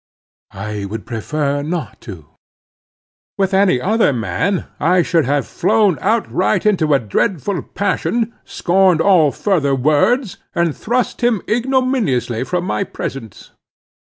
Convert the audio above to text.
"I would prefer not to." With any other man I should have flown outright into a dreadful passion, scorned all further words, and thrust him ignominiously from my presence.